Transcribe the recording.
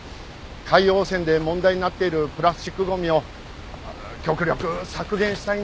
海洋汚染で問題になっているプラスチックゴミを極力削減したいんで。